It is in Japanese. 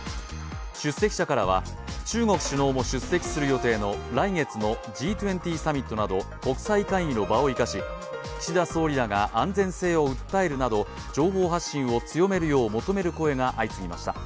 出席者からは中国首脳の出席する予定の来月のＧ２０サミットなど国際会議の場を生かし岸田総理らが安全性を訴えるなど情報発信を強めるよう求める声が相次ぎました。